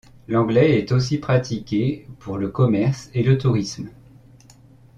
L'anglais est aussi pratiqué pour le commerce et le tourisme.